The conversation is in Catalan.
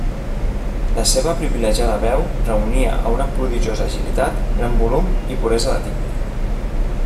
La seva privilegiada veu reunia a una prodigiosa agilitat, gran volum i puresa de timbre.